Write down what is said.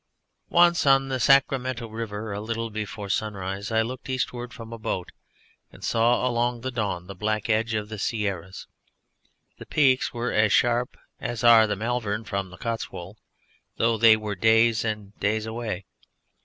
Once on the Sacramento River a little before sunrise I looked eastward from a boat and saw along the dawn the black edge of the Sierras. The peaks were as sharp as are the Malvern from the Cotswold, though they were days and days away.